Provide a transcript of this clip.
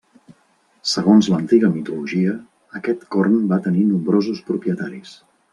Segons l'antiga mitologia, aquest corn va tenir nombrosos propietaris.